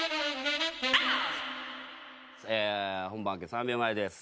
本番明け３秒前です。